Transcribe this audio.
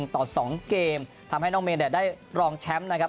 ต่อ๒เกมทำให้น้องเมย์ได้รองแชมป์นะครับ